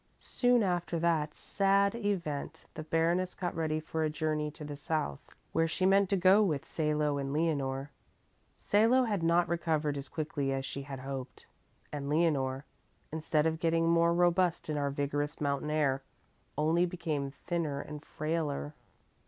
Soon after that sad event the Baroness got ready for a journey to the south, where she meant to go with Salo and Leonore. Salo had not recovered as quickly as she had hoped, and Leonore, instead of getting more robust in our vigorous mountain air, only became thinner and frailer.